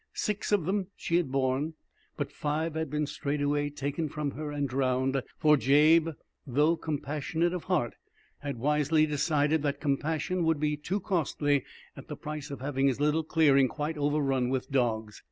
Six of them she had borne, but five had been straightway taken from her and drowned; for Jabe, though compassionate of heart, had wisely decided that compassion would be too costly at the price of having his little clearing quite overrun with dogs.